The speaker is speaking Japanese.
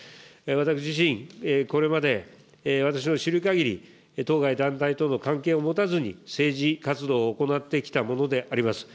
私自身、これまで私の知るかぎり、当該団体との関係を持たずに政治活動を行ってきたものであります。